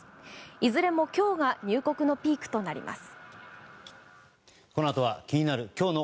いずれも今日が入国のピークとなります。